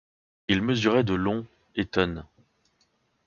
Il mesurait de long et tonnes.